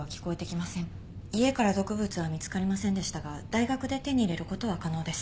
家から毒物は見つかりませんでしたが大学で手に入れることは可能です。